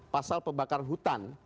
pasal pembakaran hutan